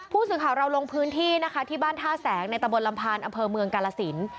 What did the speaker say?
ผู้สื่อข่าวเราลงพื้นที่นะคะที่บ้านท่าแสงในตะบนลำพานอำเภอเมืองกาลสิน